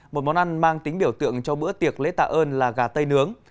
một món ăn mang tính biểu tượng cho bữa tiệc lễ tạ ơn là gà tây nướng